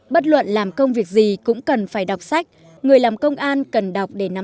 bất luận làm công việc gì cũng cần phải đọc sách người làm công an cần đọc để nắm